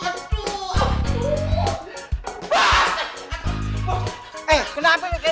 eh kenapa ya gaby